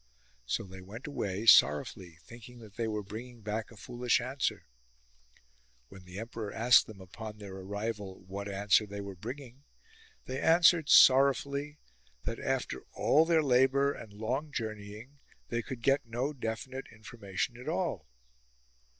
So they went away sorrowfully thinking that they were bringing back a foolish answer. When the emperor asked them upon their arrival what answer they were bringing, they answered sorrowfully that after all their labour and long journeying they could get no definite information at all.